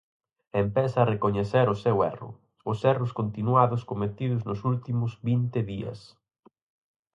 Empeza a recoñecer o seu erro, os erros continuados cometidos nos últimos vinte días.